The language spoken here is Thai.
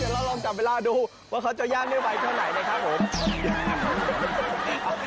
เดี๋ยวเราลองจำเวลาดูว่าเขาจะย่างได้ไวขนาดไหนนะครับผม